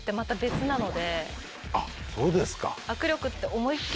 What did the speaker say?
あっそうですか。